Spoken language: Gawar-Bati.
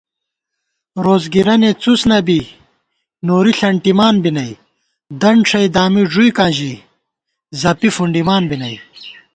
روڅ گِرَنےڅُس نہ بی نوری ݪَنٹِمان بی نئ * دنت ݭَئ دامی ݫُوئیکاں ژِی زَپی فُنڈِمان بی نئ